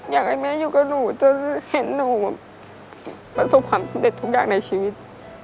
อยากให้แม่อยู่กับหนูจนเห็นหนูประสบความสำเร็จทุกอย่างในชีวิต